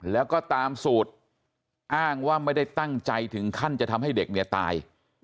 แล้วก็ตามสูตรอ้างว่าไม่ได้ตั้งใจถึงขั้นจะทำให้เด็กเนี่ยตาย